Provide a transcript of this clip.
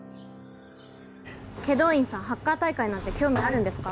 祁答院さんハッカー大会なんて興味あるんですか？